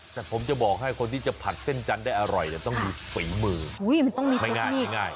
แต่ผมจะบอกให้คนที่จะผัดเส้นจันทร์ได้อร่อยจะต้องมีฝีมืออุ้ยมันต้องมีไม่ง่ายไม่ง่าย